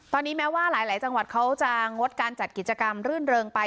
ตอนนี้แม้ว่าหลายจังหวัดเขาจะงดการจัดกิจกรรมรื่นเริงไป